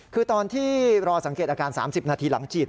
คือตอนที่รอสังเกตอาการ๓๐นาทีหลังฉีด